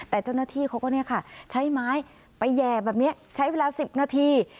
แต่เจ้าหน้าที่เขาก็ใช้ไม้ไปแห่แบบนี้ใช้เวลา๑๐นาที